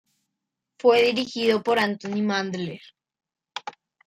Fue dirigido por Anthony Mandler.